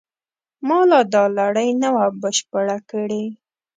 ما لا دا لړۍ نه وه بشپړه کړې.